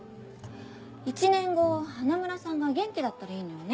１年後花村さんが元気だったらいいのよね。